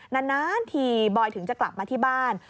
นานทีบอยถึงจะกลับมาที่บ้าน